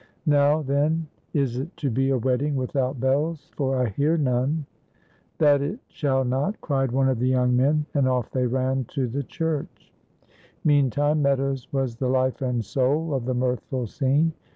"Now, then, is it to be a wedding without bells, for I hear none?" "That it shall not," cried one of the young men; and off they ran to the church. Meantime Meadows was the life and soul of the mirthful scene.